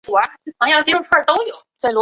开公路纵贯镇境。